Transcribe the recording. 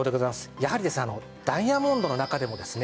やはりですねダイヤモンドの中でもですね